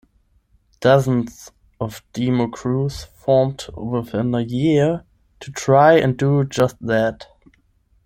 Dozens of demo crews formed within a year to try and do just that.